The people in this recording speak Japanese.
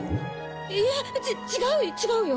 いや違うよ違うよ